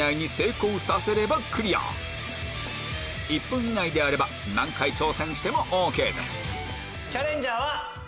１分以内であれば何回挑戦してもＯＫです